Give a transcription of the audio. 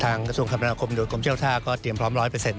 ทางกระทรวงความคาบรรณาโดยโจทย์กรมเจ้าท่าก็เตรียมพร้อม๑๐๐